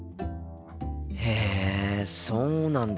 へえそうなんだ。